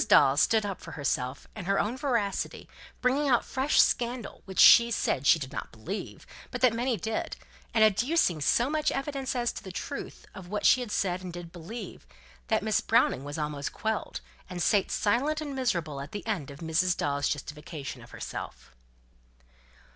Dawes stood up for herself and her own veracity, bringing out fresh scandal, which she said she did not believe, but that many did; and adducing so much evidence as to the truth of what she had said and did believe, that Miss Browning was almost quelled, and sate silent and miserable at the end of Mrs. Dawes' justification of herself.